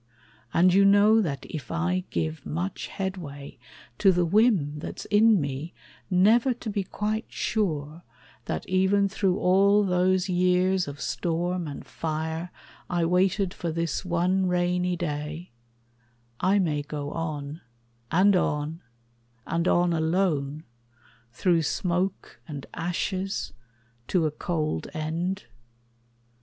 And you know That if I give much headway to the whim That's in me never to be quite sure that even Through all those years of storm and fire I waited For this one rainy day, I may go on, And on, and on alone, through smoke and ashes, To a cold end?